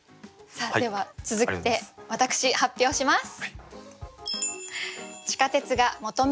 では続いて私発表します。